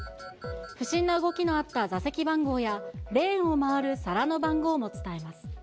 不審な動きのあった座席番号や、レーンを回る皿の番号も伝えます。